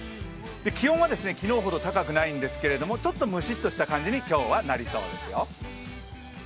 気温は昨日ほど高くないんですけれどもちょっとむしっとした感じに今日はなりそうですよ。